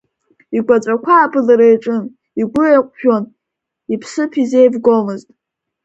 Игәаҵәақәа абылра иаҿын, игәы еиҟәжәон, иԥсыԥ изеивгомызт.